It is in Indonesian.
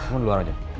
kamu di luar aja